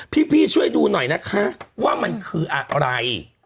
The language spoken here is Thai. พี่ช่วยดูหน่อยนะคะว่ามันคืออะไร